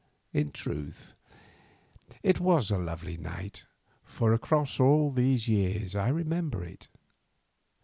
In truth it was a lovely night, for across all these years I remember it.